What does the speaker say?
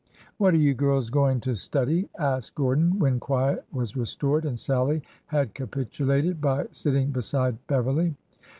What are you girls going to study ?" asked Gordon when quiet was restored and Sallie had capitulated by sitting beside Beverly.